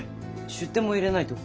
出典も入れないと。